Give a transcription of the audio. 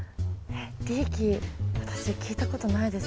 私聞いたことないです。